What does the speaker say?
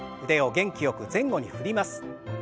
腕を元気よく前後に振ります。